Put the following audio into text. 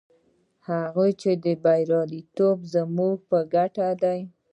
چې بریالیتوب یې زموږ په ګټه دی.